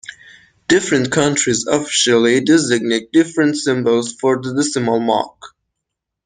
Different countries officially designate different symbols for the decimal mark.